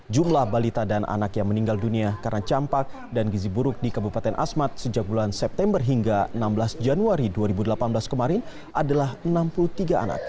jumlah balita dan anak yang meninggal dunia karena campak dan gizi buruk di kabupaten asmat sejak bulan september hingga enam belas januari dua ribu delapan belas kemarin adalah enam puluh tiga anak